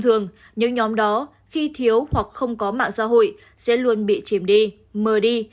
thường những nhóm đó khi thiếu hoặc không có mạng xã hội sẽ luôn bị chìm đi mờ đi